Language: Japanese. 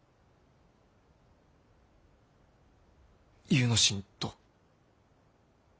祐之進と。